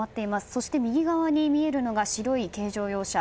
そして、右側に見えるのが白い軽乗用車。